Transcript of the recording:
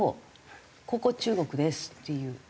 「ここ中国です」っていう。